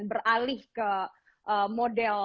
beralih ke model